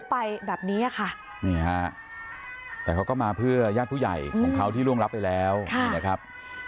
ปฐจิครับ